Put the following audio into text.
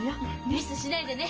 ミスしないでね。